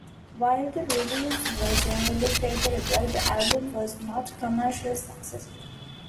While the reviews were generally favorable, the album was not commercially successful.